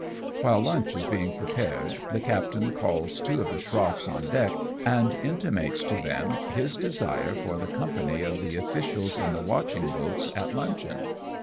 195 While lunch is being prepared, the captain calls two of the schroffs on deck, and intimates to them his desire for the company of the officials in the watching boats at luncheon.